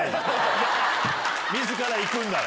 自ら行くんなら。